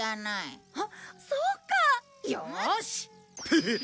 フフッ。